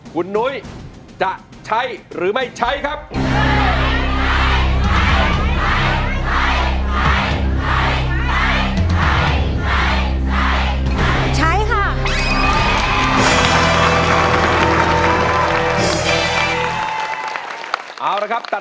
คุณนุ้ยจะใช้หรือไม่ใช้ครับ